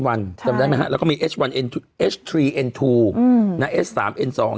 วันจำได้ไหมฮะแล้วก็มีเอ็ดช์วันเอ็ดช์ทรีเอ็ดทูอืมนะเอ็ดสามเอ็ดสอง